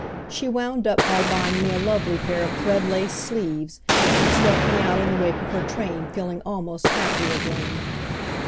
She wound up by buying me a lovely pair of thread lace sleeves, and swept me out in the wake of her train feeling almost happy again.